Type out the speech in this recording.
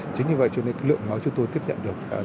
chính vì vậy lượng máu chúng tôi tiếp nhận được